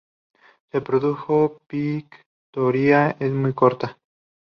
Su producción pictórica es muy corta.